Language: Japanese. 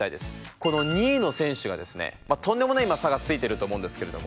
この２位の選手がですねとんでもない差がついてると思うんですけれども。